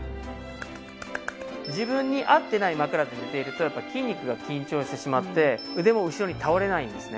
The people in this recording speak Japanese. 自分に合ってない枕で寝ているとやっぱり筋肉が緊張してしまって腕も後ろに倒れないんですね。